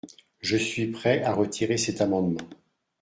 Je suis prêt à retirer cet amendement.